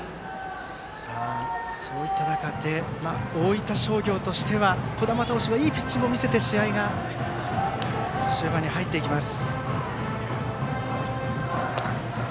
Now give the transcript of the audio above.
そういった中で大分商業、児玉投手がいいピッチングを見せて試合が終盤に入っていきます。